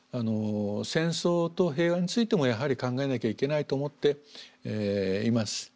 戦争と平和についてもやはり考えなきゃいけないと思っています。